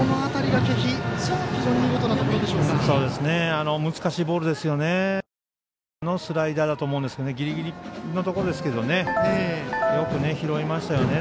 外からのスライダーだと思うんですがギリギリのところですよね。